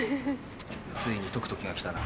ついに解く時が来たな。